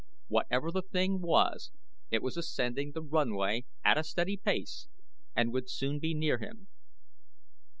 Whatever the thing was it was ascending the runway at a steady pace and would soon be near him.